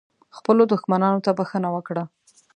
خپلو دښمنانو ته بښنه وکړه .